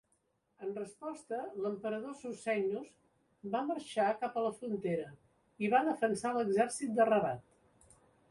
En resposta, l'emperador Susenyos va marxar cap a la frontera i va defensar l'exèrcit de Rabat.